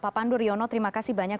pak pandu riono terima kasih banyak